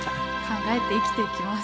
考えて生きていきます。